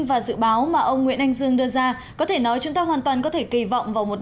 và dự báo mà ông nguyễn anh dương đưa ra có thể nói chúng ta hoàn toàn có thể kỳ vọng vào một